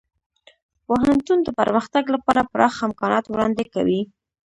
پوهنتون د پرمختګ لپاره پراخه امکانات وړاندې کوي.